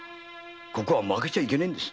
ここは負けちゃいけねえんです。